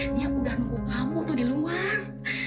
dia udah nunggu kamu tuh di luar